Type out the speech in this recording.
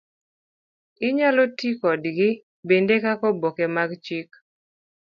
Inyalo ti kodgi bende kaka oboke mag chik.